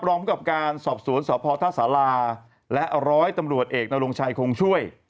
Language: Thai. รองกับการสอบสวนสพท่าสาราและร้อยตำรวจเอกนรงชัยคงช่วย